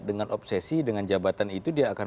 dengan obsesi dengan jabatan itu dia akan